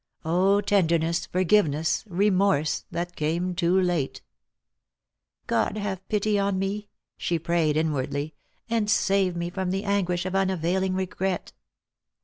O tenderness, forgiveness, remorse, that came too late !" God have pity on me," she prayed inwardly, "and save me from the anguish of unavailing regret